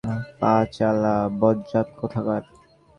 পা চালা, বজ্জাত কোথাকার!